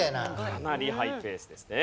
かなりハイペースですね。